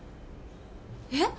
えっ！？